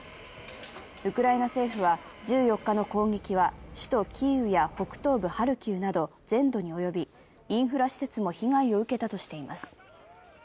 ウクライナ政府は１４日の攻撃は首都キーウや北東部ハルキウなど全土に及び、インフラ施設も被害を受けたとしています。